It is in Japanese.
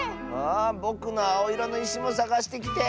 あぼくのあおいろのいしもさがしてきて。